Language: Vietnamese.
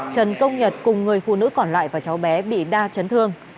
trần công nhật cùng người phụ nữ còn lại và cháu bé bị đa chấn thương